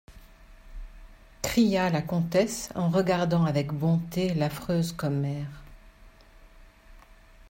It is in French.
cria la comtesse en regardant avec bonté l’affreuse commère.